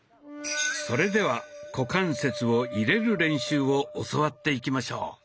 それでは「股関節を入れる」練習を教わっていきしょう。